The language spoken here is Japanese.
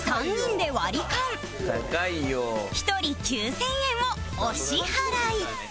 １人９０００円をお支払い